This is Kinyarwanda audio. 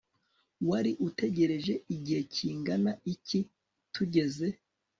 Wari utegereje igihe kingana iki tugeze